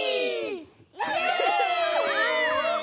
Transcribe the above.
イエイ。